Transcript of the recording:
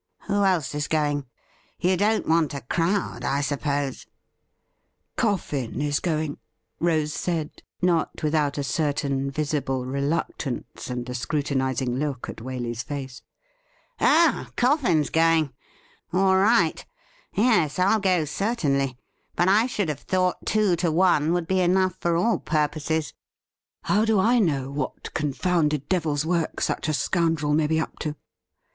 Who else is going ? You don't want a crowd, I suppose ?'' Coffin is going,' Rose said, not without a certain visible reluctance and a scrutinizing look at Waley's face. ' Oh, Coffin's going ? All right. Yes, I'll go, certainly. But I should have thought two to one would be enough for all pvuposes.' ' How do I know what confounded devil's work such a scoundrel may be up to